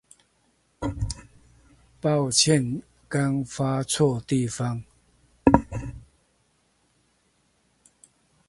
抱歉剛發錯地方